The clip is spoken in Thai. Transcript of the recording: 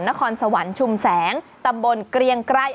นครสวรรค์ชุมแสงตำบลเกรียงไกร